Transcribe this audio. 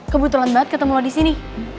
kebetulan banget ketemu lo disini